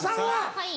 はい。